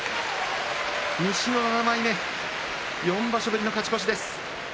西７枚目４場所ぶりの勝ち越しです。